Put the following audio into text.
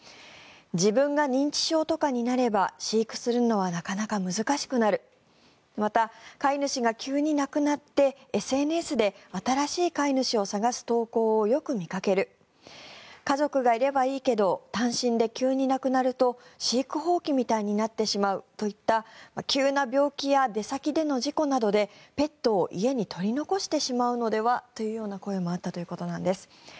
自分が認知症とかになれば飼育するのはなかなか難しくなるまた、飼い主が急に亡くなってＳＮＳで新しい飼い主を探す投稿をよく見かける家族がいればいいけど単身で急に亡くなると飼育放棄みたいになってしまうといった急な病気や出先での事故などでペットを家に取り残してしまうのではという声もあったそうなんです。